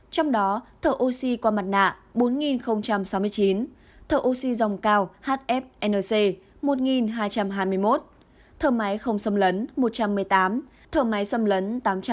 trong đó thở oxy qua mặt nạ bốn sáu mươi chín thợ oxy dòng cao hfnc một hai trăm hai mươi một thở máy không xâm lấn một trăm một mươi tám thở máy xâm lấn tám trăm linh